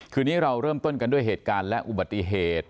คืนนี้เราเริ่มต้นกันด้วยเหตุการณ์และอุบัติเหตุ